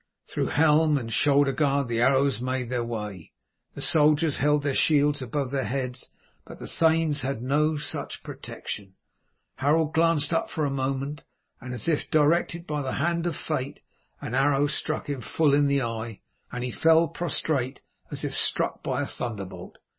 Through helm and shoulder guard the arrows made their way; the soldiers held their shields above their heads, but the thanes had no such protection. Harold glanced up for a moment, and as if directed by the hand of fate an arrow struck him full in the eye, and he fell prostrate as if struck by a thunderbolt.